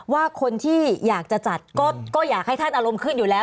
ว่าคนที่อยากจะจัดก็อยากให้ท่านอารมณ์ขึ้นอยู่แล้ว